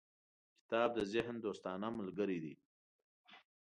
• کتاب د ذهن دوستانه ملګری دی.